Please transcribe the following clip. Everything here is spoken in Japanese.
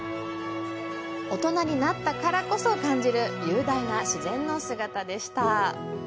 大人になったからこそ感じる雄大な自然の姿でした。